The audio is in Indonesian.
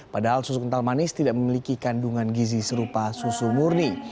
padahal susu kental manis tidak memiliki kandungan gizi serupa susu murni